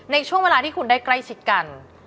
ในช่วงเวลาที่คุณได้ใกล้ชิดกัน